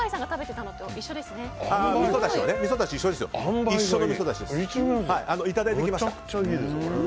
いただいてきました。